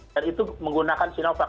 dan itu menggunakan sinovac